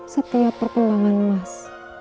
setiap perkembangan mas